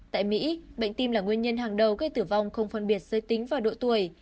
tại mỹ bệnh tim là nguyên nhân hàng đầu gây tử vong không phân biệt giới tính và độ tuổi